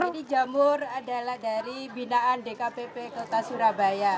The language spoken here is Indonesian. ini jamur adalah dari binaan dkpp kota surabaya